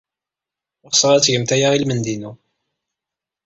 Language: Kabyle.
Ɣseɣ ad tgemt aya i lmendad-inu.